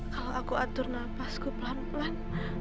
kalau aku atur nafasku pelan pelan